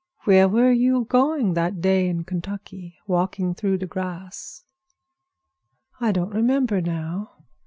"Where were you going that day in Kentucky, walking through the grass?" "I don't remember now.